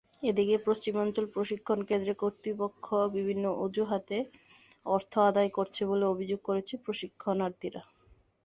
এদিকে পশ্চিমাঞ্চল প্রশিক্ষণকেন্দ্রে কর্তৃপক্ষ বিভিন্ন অজুহাতে অর্থ আদায় করছে বলে অভিযোগ করেছেন প্রশিক্ষণার্থীরা।